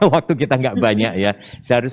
waktu kita nggak banyak ya saya harus